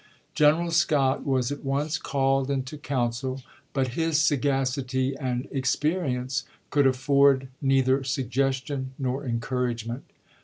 General Scott was at once called into council, but his sagacity and experience could afford neither suggestion nor encouragement.